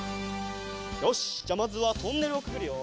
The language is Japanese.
よしじゃあまずはトンネルをくぐるよ。